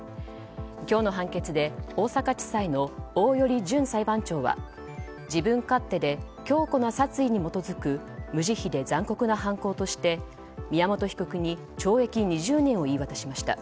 今日の判決で、大阪地裁の大寄淳裁判長は自分勝手で、強固な殺意に基づく無慈悲で残酷な犯行として宮本被告に懲役２０年を言い渡しました。